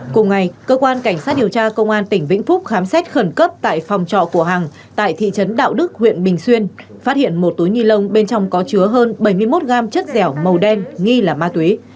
cùng ngày cơ quan cảnh sát điều tra công an tỉnh vĩnh phúc khám xét khẩn cấp tại phòng trọ của hằng tại thị trấn đạo đức huyện bình xuyên phát hiện một túi ni lông bên trong có chứa hơn bảy mươi một gam chất dẻo màu đen nghi là ma túy